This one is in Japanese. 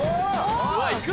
・うわいく？